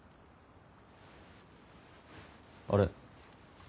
あれ？